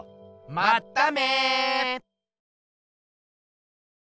まっため。